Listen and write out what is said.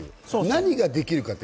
何ができるかって。